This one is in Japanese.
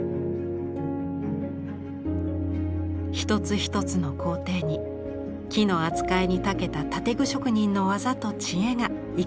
一つ一つの工程に木の扱いに長けた建具職人の技と知恵が生きています。